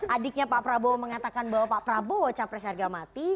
adiknya pak prabowo mengatakan bahwa pak prabowo capres harga mati